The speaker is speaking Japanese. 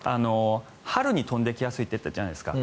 春に飛んできやすいって言ったじゃないですか。